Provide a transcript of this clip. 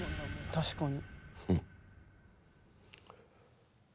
確かに。